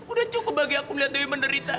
udah cukup bagi aku melihat dari menderita